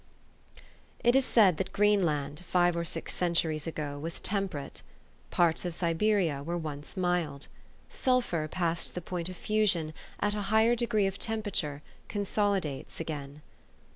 IT is said that Greenland, five or six centuries ago, was temperate. Parts of Siberia were once mild. Sulphur past the point of fusion, at a higher degree of temperature, consolidates again.